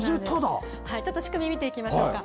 ちょっと仕組み見ていきましょうか。